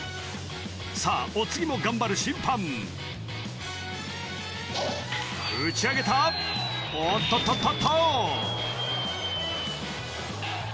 さぁお次も頑張る審判打ち上げたおっとっとっとっと！